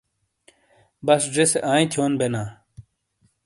بس زیسے آئیں تھِیون بینا۔